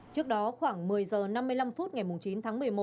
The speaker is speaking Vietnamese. trước đó khoảng một mươi h năm mươi năm phút ngày chín tháng một mươi một